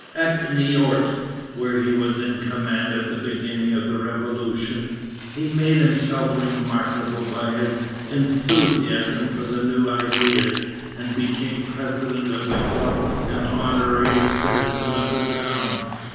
At Niort, where he was in command at the beginning of the Revolution, he made himself remarkable by his enthusiasm for the new ideas, and became president of the club and honorary citizen of the town.